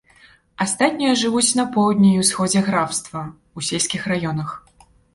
Астатнія жывуць на поўдні і ўсходзе графства, у сельскіх раёнах.